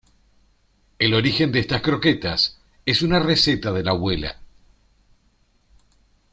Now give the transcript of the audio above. El origen de estas croquetas es una receta de la abuela.